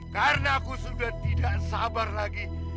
karena aku sudah tidak sabar lagi